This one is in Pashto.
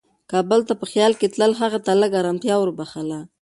کابل ته په خیال کې تلل هغې ته لږ ارامتیا وربښله.